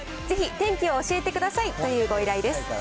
ぜひ天気を教えてくださいというご依頼です。